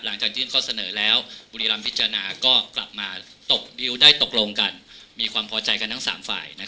หลังจากยื่นข้อเสนอแล้วบุรีรำพิจารณาก็กลับมาตกบิ้วได้ตกลงกันมีความพอใจกันทั้ง๓ฝ่าย